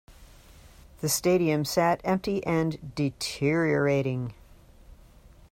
The stadium sat empty and deteriorating.